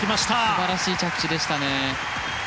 素晴らしい着地でしたね。